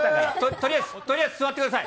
とりあえず座ってください。